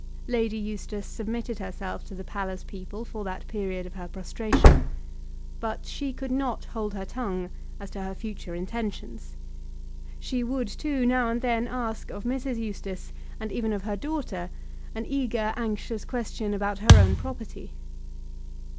Lady Eustace submitted herself to the palace people for that period of her prostration, but she could not hold her tongue as to her future intentions. She would, too, now and then ask of Mrs. Eustace, and even of her daughter, an eager, anxious question about her own property.